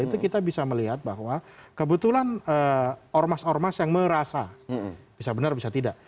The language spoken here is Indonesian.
itu kita bisa melihat bahwa kebetulan ormas ormas yang merasa bisa benar bisa tidak